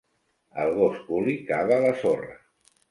El gos Koolie cava a la sorra.